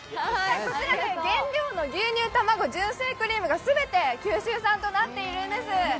こちら原料の牛乳、卵が全て九州産となっているんです。